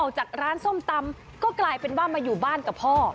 จากร้านส้มตำก็กลายเป็นว่ามาอยู่บ้านกับพ่อ